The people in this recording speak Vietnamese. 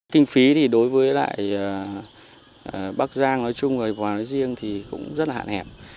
kinh phí thì đối với lại bắc giang nói chung và hoàng nói riêng thì cũng rất là hạn hẹp